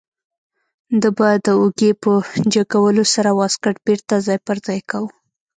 ده به د اوږې په جګولو سره واسکټ بیرته ځای پر ځای کاوه.